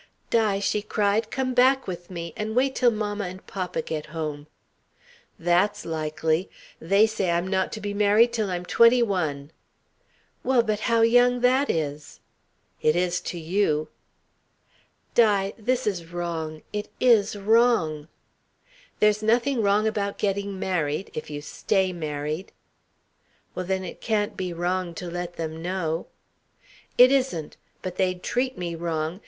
"Di," she cried, "come back with me and wait till mamma and papa get home." "That's likely. They say I'm not to be married till I'm twenty one." "Well, but how young that is!" "It is to you." "Di! This is wrong it is wrong." "There's nothing wrong about getting married if you stay married." "Well, then it can't be wrong to let them know." "It isn't. But they'd treat me wrong.